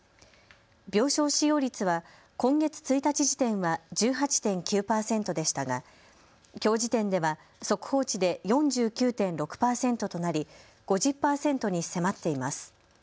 病床使用率は今月１日時点は１８．９％でしたが、きょう時点では速報値で４９．６％となり５０％に迫っています。